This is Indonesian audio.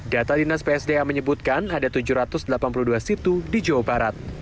data dinas psda menyebutkan ada tujuh ratus delapan puluh dua situ di jawa barat